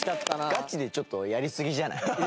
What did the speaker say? ガチでちょっとやりすぎじゃない？